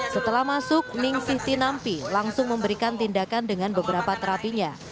setelah masuk ning siti nampi langsung memberikan tindakan dengan beberapa terapinya